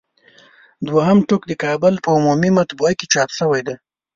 دوهم ټوک د کابل په عمومي مطبعه کې چاپ شوی دی.